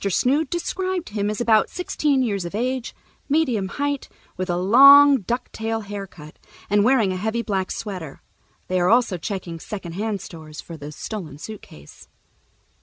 Snood described him as about sixteen years of age, medium height, with a long 'ducktail' haircut, and wearing a heavy black sweater. They are also checking second hand stores for the stolen suitcase."